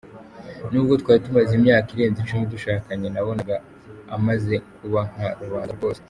Nubwo twari tumaze imyaka irenze icumi dushakanye, nabonaga amaze kuba nka rubanda rwose.